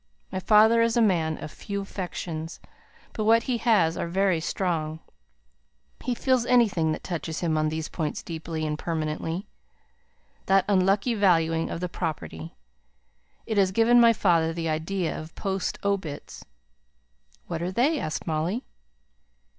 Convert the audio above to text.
My father is a man of few affections, but what he has are very strong; he feels anything that touches him on these points deeply and permanently. That unlucky valuing of the property! It has given my father the idea of post obits " "What are they?" asked Molly.